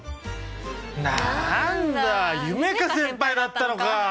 何だ夢叶先輩だったのか！